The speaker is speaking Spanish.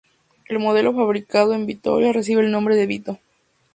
El modelo fabricado en Vitoria recibe el nombre de Vito.